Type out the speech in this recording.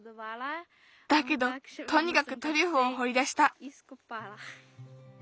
だけどとにかくトリュフをほりだした。